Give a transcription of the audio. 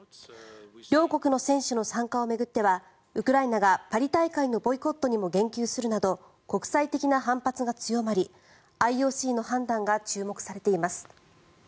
両国の選手の参加を巡ってはウクライナがパリ大会のボイコットにも言及するなど国際的な反発が強まりきたきた！